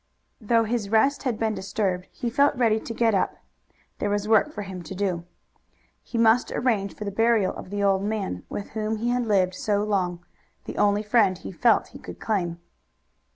Though his rest had been disturbed, he felt ready to get up. There was work for him to do. He must arrange for the burial of the old man with whom he had lived so long, the only friend he felt he could claim.